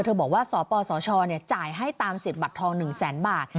เธอบอกว่าสปสชจ่ายให้ตาม๑๐บัตรทอง๑๐๐๐๐๐บาท